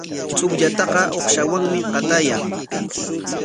Chukllataqa uqshawanmi qatayan.